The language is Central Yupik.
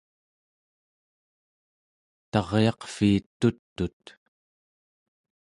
taryaqviit tut'ut